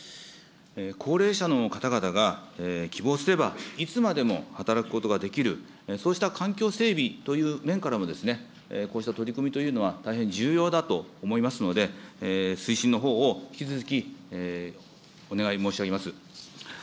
高齢者の方々が希望すればいつまでも働くことができる、そうした環境整備という面からも、こうした取り組みというのは大変重要だと思いますので、推進のほうを引き続き、お願い申し上げます。